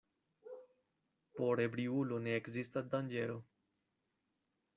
Por ebriulo ne ekzistas danĝero.